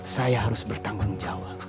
saya harus bertanggung jawab